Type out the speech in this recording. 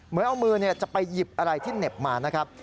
เหมือนเอามือจะไปหยิบอะไรที่เหน็บมานะครับ